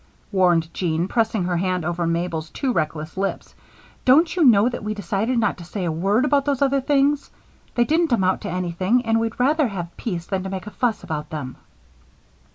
warned Jean, pressing her hand over Mabel's too reckless lips. "Don't you know that we decided not to say a word about those other things? They didn't amount to anything, and we'd rather have peace than to make a fuss about them."